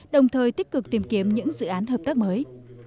đồng thời tích cực tìm kiếm những dự án hợp tác mới